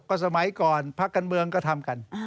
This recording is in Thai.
ก็สมัยก่อนพักการเมืองก็ทำกัน